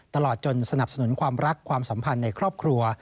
ตลอดจนสนับสนุนความรักความสัมพันธ์ในครอบครัว